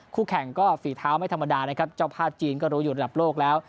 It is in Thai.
คู่แข่งก็ฝีเท้าไม่ธรรมดานะครับเจ้าภาพจีนก็รู้อยู่ระดับโลกแล้ว